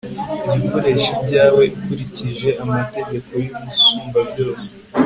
jya ukoresha ibyawe ukurikije amategeko y'umusumbabyose